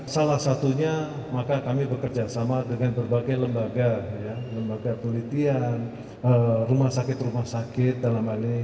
salah satunya maka kami bekerjasama dengan berbagai lembaga lembaga penelitian rumah sakit rumah sakit dalam hal ini